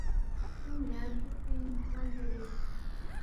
سونگ یا ٹھوپ پوئینگ سمن ژالے۔